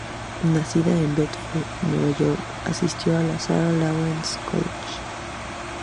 Nacida en Bedford, Nueva York, asistió al Sarah Lawrence College.